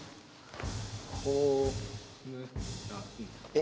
え？